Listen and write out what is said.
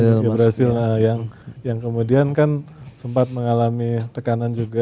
di brazil yang kemudian kan sempat mengalami tekanan juga